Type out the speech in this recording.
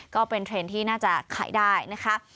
ก็เป็นเทรนด์ที่น่าจะขายได้นะคะ